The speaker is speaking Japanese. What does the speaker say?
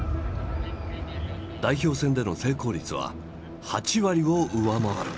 代表戦での成功率は８割を上回る。